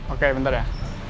oke bentar ya